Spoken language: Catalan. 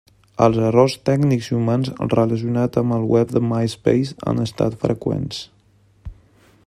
Els errors tècnics i humans relacionats amb el web de MySpace han estat freqüents.